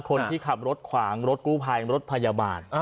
คนที่ขับรถขวางรถกู้ภัยรถพยาบาล